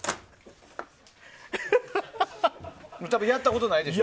やったことないでしょ。